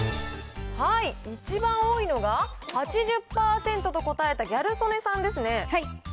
１番多いのが８０％と答えたギャル曽根さんですね。